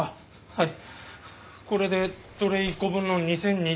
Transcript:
はい。